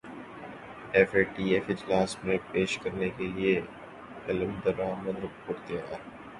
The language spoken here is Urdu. ایف اے ٹی ایف اجلاس میں پیش کرنے کیلئے عملدرامد رپورٹ تیار